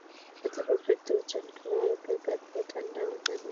প্রতিপক্ষের দুজন খেলোয়াড়কে কাটিয়ে ঠান্ডা মাথায় নিখুঁত একটি পাস দিলেন সলোমন কালুকে।